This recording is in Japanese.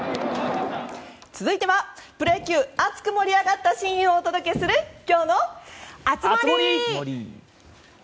続いてはプロ野球熱く盛り上がったシーンをお届けする今日の熱盛！